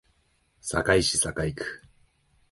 堺市堺区